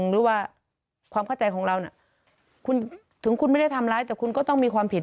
หรือว่าความเข้าใจของเราน่ะคุณถึงคุณไม่ได้ทำร้ายแต่คุณก็ต้องมีความผิด